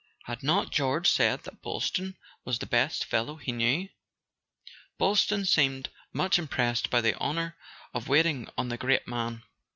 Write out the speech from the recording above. Had not George said that Boylston was the best fellow he knew? [ 130] A SON AT THE FRONT Boylston seemed much impressed by the honour of waiting on the great man.